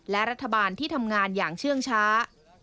และรัฐบาลที่ทำงานอย่างเชื่องช้า